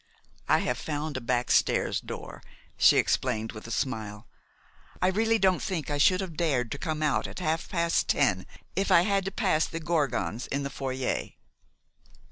"I have found a back stairs door," she explained, with a smile. "I really don't think I should have dared to come out at half past ten if I had to pass the Gorgons in the foyer."